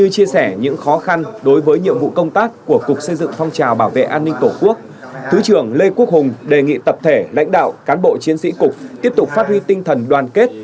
thứ trưởng lê quốc hùng đề nghị tập thể lãnh đạo cán bộ chiến sĩ cục tiếp tục phát huy tinh thần đoàn kết